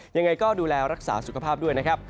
ยังไงก็ดูแลรักษาสุขภาพด้วยนะครับ